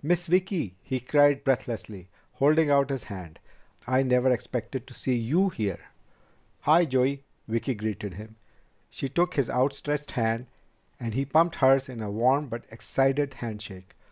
"Miss Vicki!" he cried breathlessly, holding out his hand. "I never expected to see you here!" "Hi, Joey!" Vicki greeted him. She took his outstretched hand, and he pumped hers in a warm but excited handshake.